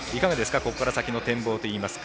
ここから先の展望といいますか。